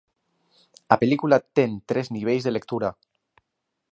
A película ten tres niveis de lectura.